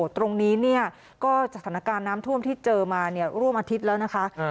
ตรงนี้เนี่ยก็สถานการณ์น้ำท่วมที่เจอมาร่วมอาทิตย์แล้วนะคะ